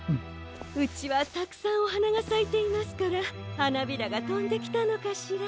うちはたくさんおはながさいていますからはなびらがとんできたのかしら。